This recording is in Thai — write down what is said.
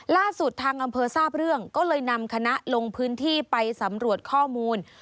ล่าสุดทางอำเภอทราบเรื่องก็เลยนำคณะลงพื้นที่ไปสำรวจข้อมูล